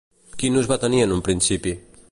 Quin ús va tenir en un principi?